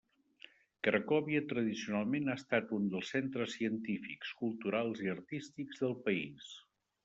Cracòvia tradicionalment ha estat un dels centres científics, culturals i artístics del país.